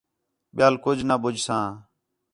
ٻِیال کُج نہ ٻُجھساں